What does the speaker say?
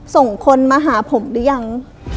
ส่งคนมาหาผมหรือยัง